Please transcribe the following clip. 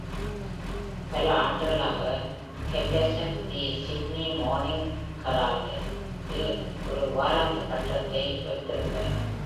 பல ஆண்டுகளாக, Henderson "the Sydney Morning Herald" இல் ஒரு வாராந்திர கட்டத்தை வைத்திருந்தார்.